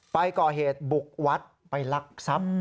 ไปก่อเหตุบุกวัดไปลักทรัพย์